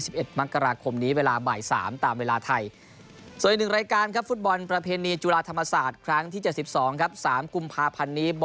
บ่อกันกันและนะครับที่สนามสุทธิ์พระชาวใส